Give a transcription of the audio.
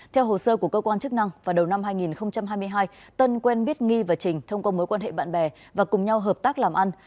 theo hồ sơ của cơ quan chức năng vào đầu năm hai nghìn hai mươi hai tân quen biết nghi và trình thông qua mối quan hệ bạn bè và cùng nhau hợp tác làm ăn